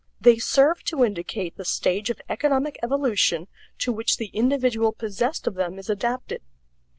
They serve to indicate the stage of economic evolution to which the individual possessed of them is adapted.